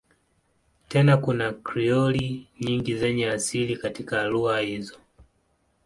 Tena kuna Krioli nyingi zenye asili katika lugha hizo.